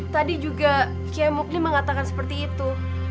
tadi juga kiai mukni mengatakan seperti itu